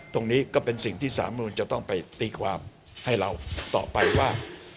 ตรงนี้ก็เป็นสิ่งที่สามนุนจะต้องไปตีความให้เราต่อไปว่า